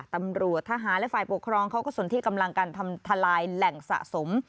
ตำรวจทหารและฝ่ายปกครองเขาก็สนที่กำลังการทำทลายแหล่งสะสม